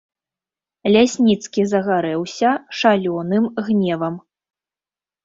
Лясніцкі загарэўся шалёным гневам.